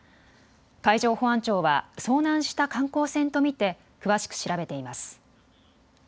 海上保安庁は遭難した観光船と見て詳しく調べています。